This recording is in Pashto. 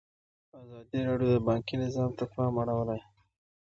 ازادي راډیو د بانکي نظام ته پام اړولی.